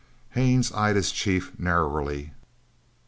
Haines eyed his chief narrowly.